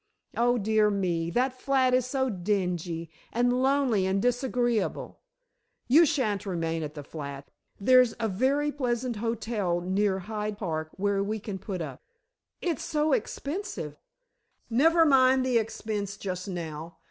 "Oh, dear me, that flat is so dingy, and lonely, and disagreeable." "You shan't remain at the flat. There's a very pleasant hotel near Hyde Park where we can put up." "It's so expensive." "Never mind the expense, just now.